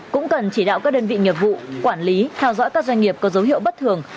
cũng cần chỉ đạo các đơn vị nghiệp vụ quản lý theo dõi các doanh nghiệp có dấu hiệu bất thường